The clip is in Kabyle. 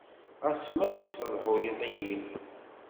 Ɣas ma tessedhuyeḍ-iyi.